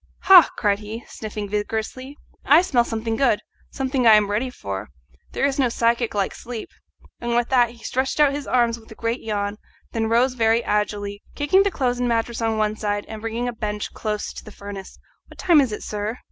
"Ha!" cried he, sniffing vigorously, "I smell something good something I am ready for. There is no physic like sleep," and with that he stretched out his arms with a great yawn, then rose very agilely, kicking the clothes and mattress on one side and bringing a bench close to the furnace. "What time is it, sir?"